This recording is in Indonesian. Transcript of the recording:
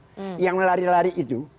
kalau anak anak yang tadi lari lari itu